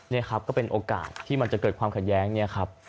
นี่ครับก็เป็นโอกาสที่มันจะเกิดความขัดแย้งเนี่ยครับ